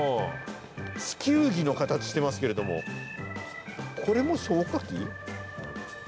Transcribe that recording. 地球儀の形してますけれども、これも消火器？